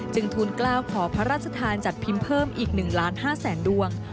ทูลกล้าวขอพระราชทานจัดพิมพ์เพิ่มอีก๑ล้าน๕แสนดวง